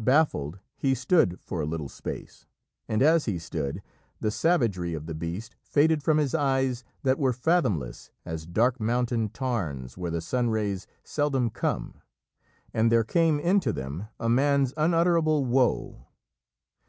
Baffled he stood for a little space, and, as he stood, the savagery of the beast faded from his eyes that were fathomless as dark mountain tarns where the sun rays seldom come, and there came into them a man's unutterable woe.